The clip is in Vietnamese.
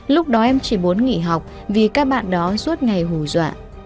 lúc đó em chỉ muốn nghỉ học vì các bạn đó suốt ngày hù dọa